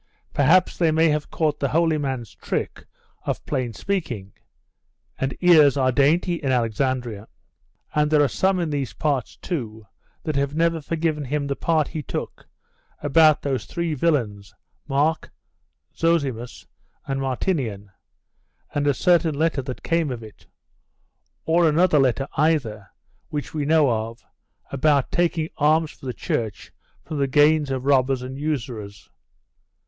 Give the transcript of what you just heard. Perhaps they may have caught the holy man's trick of plain speaking and ears are dainty in Alexandria. And there are some in these parts, too, that have never forgiven him the part he took about those three villains, Marc, Zosimus, and Martinian, and a certain letter that came of it; or another letter either, which we know of, about taking alms for the church from the gains of robbers and usurers.